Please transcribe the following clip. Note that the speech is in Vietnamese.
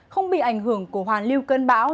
không bị ảnh hưởng của hoàn lưu cơn bão